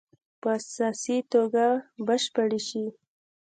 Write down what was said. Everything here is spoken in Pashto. په اساسي توګه بشپړې شي.